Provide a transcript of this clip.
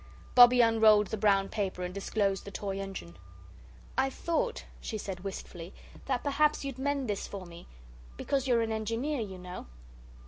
Bobbie unrolled the brown paper and disclosed the toy engine. "I thought," she said wistfully, "that perhaps you'd mend this for me because you're an engineer, you know."